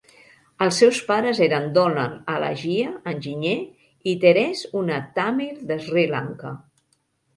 Els seus pares eren Donald Alagiah, enginyer, i Therese, una tàmil d"Sri Lanka.